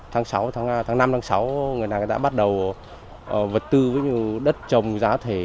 tháng năm tháng sáu người ta đã bắt đầu vật tư với đất trồng giá thể